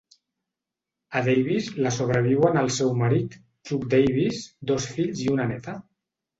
A Davis la sobreviuen el seu marit, Chuck Davis, dos fills i una néta.